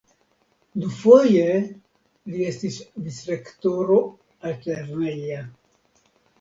Dufoje li estis vicrektoro altlerneja.